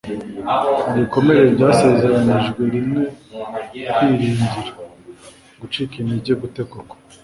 Mu bikomere byasezeranijwe rimwe kwiringira - gucika intege gute koko